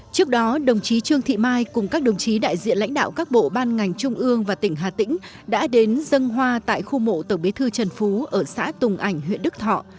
trước đó đồng chí trương thị mai cùng các đồng chí đại diện lãnh đạo các bộ ban ngành trung ương và tỉnh hà tĩnh đã đến dân hoa tại khu mộ tổng bí thư trần phú ở xã tùng ảnh huyện đức thọ